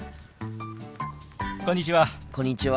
こんにちは。